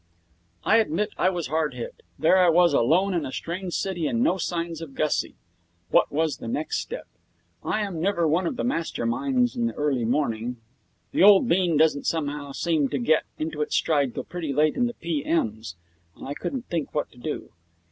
I admit I was hard hit. There I was alone in a strange city and no signs of Gussie. What was the next step? I am never one of the master minds in the early morning; the old bean doesn't somehow seem to get into its stride till pretty late in the p.m.'s, and I couldn't think what to do.